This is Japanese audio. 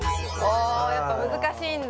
おやっぱ難しいんだ。